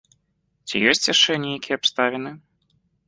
Ці ёсць яшчэ нейкія абставіны?